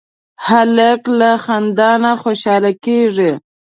هلک له خندا نه خوشحاله کېږي.